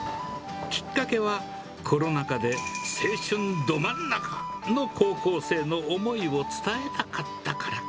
きっかけは、コロナ禍で青春ど真ん中の高校生の思いを伝えたかったから。